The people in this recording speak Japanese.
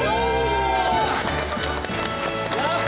よし！